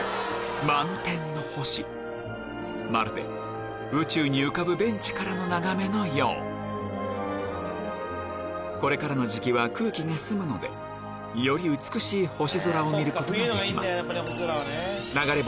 満天の星まるで宇宙に浮かぶベンチからの眺めのようこれからの時期は空気が澄むのでより美しい星空を見ることができます